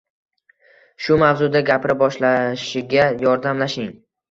Shu mavzuda gapira boshlashiga yordamlashing